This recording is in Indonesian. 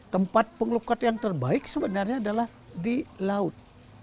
tempat pengelukat yang terbaik sebenarnya adalah di laut